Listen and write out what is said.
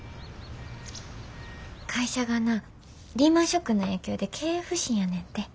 会社がなリーマンショックの影響で経営不振やねんて。